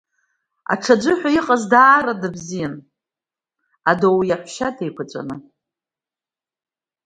Аҽыӡәы ҳәа иҟаз даара дыбзиан Адоу иаҳәшьа деиқәаҵәаны.